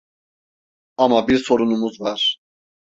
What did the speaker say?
Ama bir sorunumuz var.